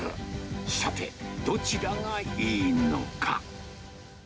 さて、どちらがいいのか。